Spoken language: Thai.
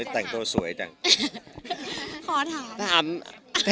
สองคนก็จะคอยหมด